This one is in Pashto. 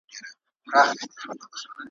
الله سبحانه وتعالی ئې موږ ته حکايت کوي.